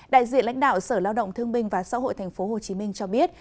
đại diện lãnh đạo sở lao động thương binh và xã hội tp hcm cho biết